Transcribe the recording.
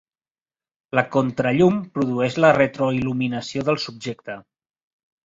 La contrallum produeix la retroil·luminació del subjecte.